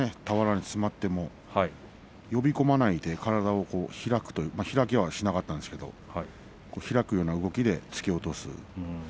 俵に詰まっても呼び込まないで体を開きはしなかったんですけれども開くような動きで突き落とす。